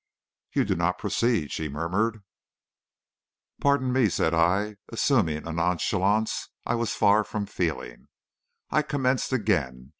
"You do not proceed," she murmured. "Pardon me," said I; and assuming a nonchalance I was far from feeling, I commenced again.